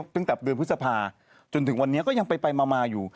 ตั้งแต่เดือนพฤษภาจนถึงวันนี้ก็ยังไปมาอยู่